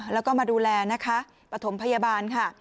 แล้วก็มาดูแลนะคะปฐมพยาบาลค่ะ